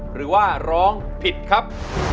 หรือว่าร้องผิดครับ